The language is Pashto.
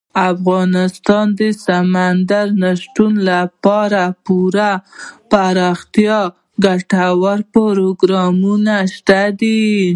افغانستان کې د سمندر نه شتون لپاره پوره دپرمختیا ګټور پروګرامونه شته دي.